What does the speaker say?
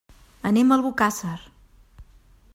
Anem a Albocàsser.